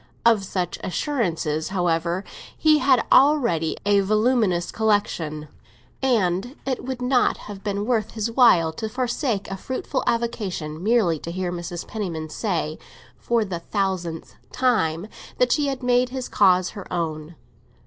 Of such assurances, however, he had already a voluminous collection, and it would not have been worth his while to forsake a fruitful avocation merely to hear Mrs. Penniman say, for the thousandth time, that she had made his cause her own.